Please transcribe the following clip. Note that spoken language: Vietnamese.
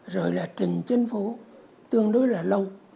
rồi là trình chính phủ tương đối là lâu